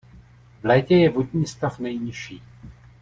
V létě je vodní stav nejnižší.